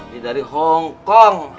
dia dari hongkong